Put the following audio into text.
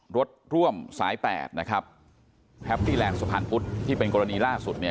รถร่วมสายแปดแฮปปี้แหลกสุภันธ์ปุ้ตที่เป็นกรณีล่าสุด